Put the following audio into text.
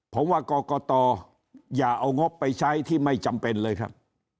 ผมว่ากรกตอย่าเอางบไปใช้ที่ไม่จำเป็นเลยครับ